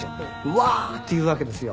ワーっていうわけですよ。